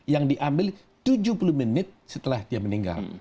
yang diambil tujuh puluh menit setelah dia meninggal